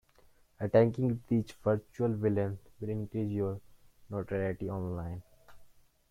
Attacking these virtual villains will increase your notoriety online.